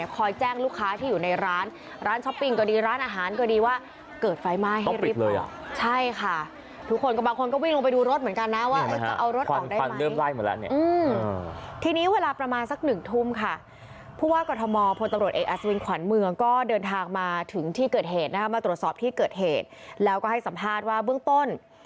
พูดว่ากฎธมพลตำรวจเอกอัศวินขวันเมืองก็เดินทางมาถึงที่เกิดเหตุนะครับมาตรวจสอบที่เกิดเหตุแล้วก็ให้สัมภาษณ์ว่าเบื้องต้น